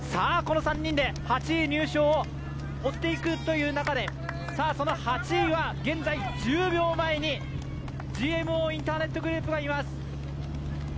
この３人で８位入賞を追っていく中で８位は現在１０秒前にＧＭＯインターネットグループがいます。